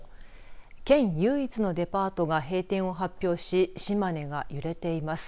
県唯一のデパートが閉店を発表し島根が揺れています。